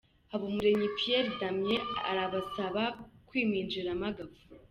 Habumuremyi Pierre Damien arabasaba kwiminjiramo agafu.